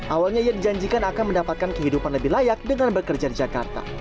awalnya ia dijanjikan akan mendapatkan kehidupan lebih layak dengan bekerja di jakarta